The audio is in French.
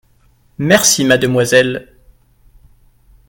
Merci mademoiselle.